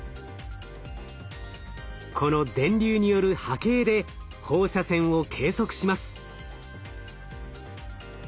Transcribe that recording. この電流による波形で放射線を計測します。